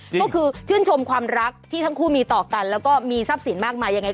ก็คือชื่นชมความรักที่ทั้งคู่มีต่อกันแล้วก็มีทรัพย์สินมากมายยังไง